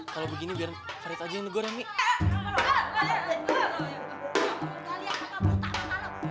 kalo begini biar farid aja yang degur ya mi